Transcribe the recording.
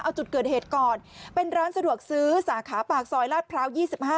เอาจุดเกิดเหตุก่อนเป็นร้านสะดวกซื้อสาขาปากซอยลาดพร้าว๒๕